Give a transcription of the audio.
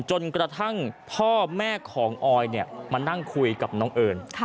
จนกระทั่งพ่อแม่ของออยมานั่งคุยกับน้องเอิญ